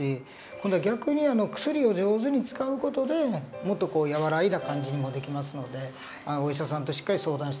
今度は逆に薬を上手に使う事でもっと和らいだ感じにもできますのでお医者さんとしっかり相談して頂ければなというふうに思います。